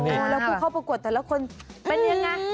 แล้วผู้เข้าประกวดแต่ละคนเป็นยังไง